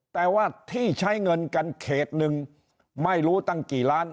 แต่ว่าที่ใช้เงินกันเขตหนึ่งไม่รู้ตั้งกี่ล้าน